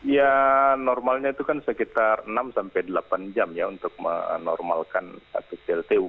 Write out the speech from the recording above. ya normalnya itu kan sekitar enam sampai delapan jam ya untuk menormalkan satu pltu